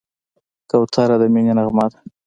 کوتره د مینې نغمه ده.